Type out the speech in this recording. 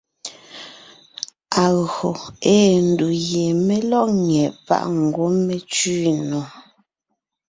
Agÿò ée ndù gie mé lɔ́g nyɛ́ páʼ ngwɔ́ mé tsẅi nò.